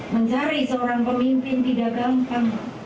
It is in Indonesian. mencari seorang pemimpin tidak gampang